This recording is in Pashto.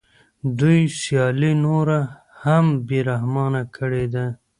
دوی سیالي نوره هم بې رحمانه کړې ده